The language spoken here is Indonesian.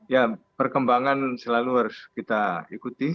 ya perkembangan selalu harus kita ikuti